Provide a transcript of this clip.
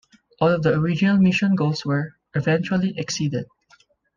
All of the original mission goals were, eventually, exceeded.